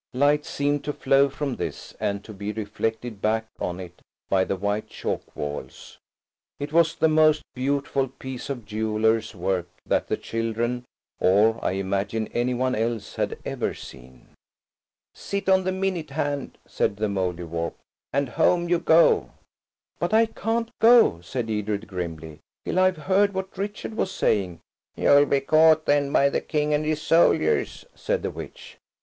Light seemed to flow from this, and to be reflected back on it by the white chalk walls. It was the most beautiful piece of jeweller's work that the children–or, I imagine, any one else–had ever seen. "Sit on the minute hand," said the Mouldiwarp, "and home you go." "But I can't go," said Edred grimly, "till I've heard what Richard was saying." "You'll be caught, then, by the King and his soldiers," said the witch.